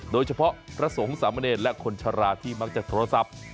โดยเฉพาะพระสงฆ์สามเณรและคนชะลาที่มักจะโทรศัพท์